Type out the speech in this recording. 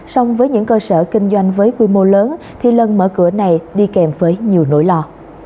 song với những cơ sở kinh doanh với quy mô lớn thì lần mở cửa này đi kèm với nhiều nỗi lo